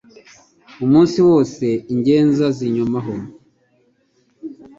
Umunsi wose ingenza zinyomaho